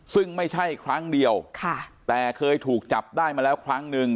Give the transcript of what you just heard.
ซึ่งไม่ใช่ครั้งเดียวแต่เคยถูกจับได้มาแล้วครั้งหนึ่ง